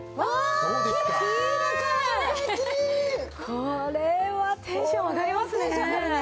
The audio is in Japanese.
これはテンション上がるね。